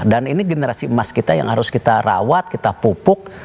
dan ini generasi emas kita yang harus kita rawat kita pupuk